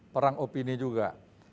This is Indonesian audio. perang opini juga